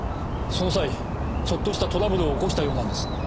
その際ちょっとしたトラブルを起こしたようなんです。